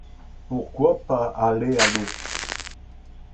Pourquoi pas aller à l'eau ?